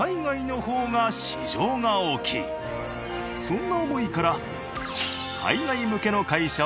そんな思いから。